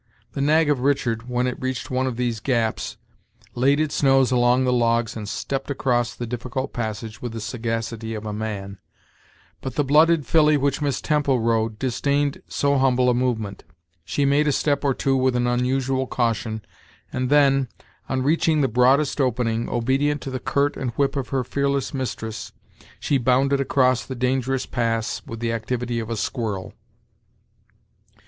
The nag of Richard, when it reached one of these gaps, laid its nose along the logs and stepped across the difficult passage with the sagacity of a man; but the blooded filly which Miss Temple rode disdained so humble a movement. She made a step or two with an unusual caution, and then, on reaching the broadest opening, obedient to the curt and whip of her fearless mistress, she bounded across the dangerous pass with the activity of a squirrel.